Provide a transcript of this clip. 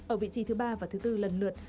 ở vị trí thứ ba và thứ bốn lần lượt